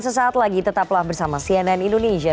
sesaat lagi tetaplah bersama cnn indonesia